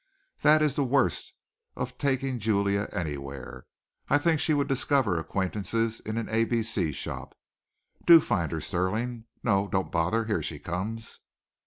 That is the worst of taking Julia anywhere. I think that she would discover acquaintances in an A B C shop. Do find her, Stirling. No, don't bother! Here she comes."